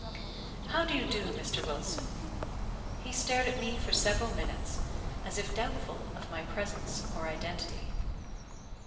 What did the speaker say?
"How do you do, Mr. Wilson?" He stared at me for several minutes, as if doubtful of my presence or identity.